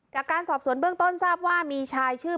จากการสอบสวนเบื้องต้นทราบว่ามีชายชื่อ